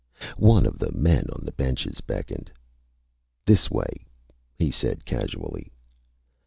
One of the men on the benches beckoned. "This way," he said casually.